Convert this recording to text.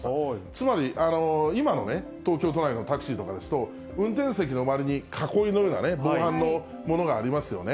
つまり今の東京都内のタクシーとかですと、運転席の周りに囲いのような防犯のようなものがありますよね。